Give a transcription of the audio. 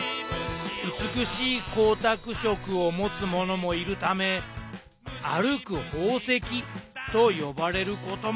美しい光沢色を持つものもいるため歩く宝石と呼ばれることもあります。